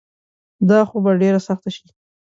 دا خو به ډیره سخته شي